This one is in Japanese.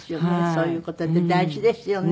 そういう事って大事ですよね。